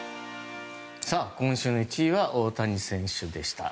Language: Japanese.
今週の１位は大谷選手でした。